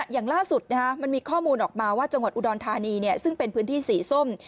อย่างล่าสุดมันมีข้อมูลออกมาว่าจังหวัดอุดรธานีซึ่งเป็นพื้นที่สีส้ม